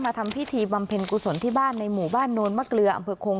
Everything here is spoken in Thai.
ทำพิธีบำเพ็ญกุศลที่บ้านในหมู่บ้านโนนมะเกลืออำเภอคง